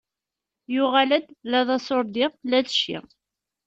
Yuɣal-d, la d aṣuṛdi, la d cci.